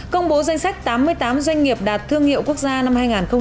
công bố danh sách tám mươi tám doanh nghiệp đạt thương hiệu quốc gia năm hai nghìn hai mươi